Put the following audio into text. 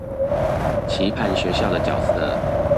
期盼學校的角色